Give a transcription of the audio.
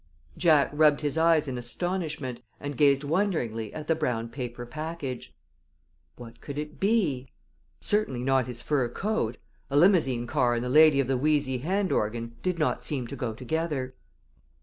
Jack rubbed his eyes in astonishment, and gazed wonderingly at the brown paper package. What could it be? Certainly not his fur coat. A limousine car and the lady of the wheezy hand organ did not seem to go together.